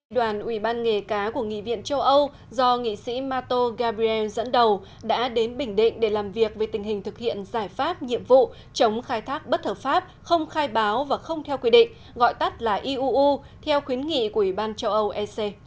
đoàn ủy ban nghề cá của nghị viện châu âu do nghị sĩ mato gabriel dẫn đầu đã đến bình định để làm việc về tình hình thực hiện giải pháp nhiệm vụ chống khai thác bất hợp pháp không khai báo và không theo quy định gọi tắt là iuu theo khuyến nghị của ủy ban châu âu ec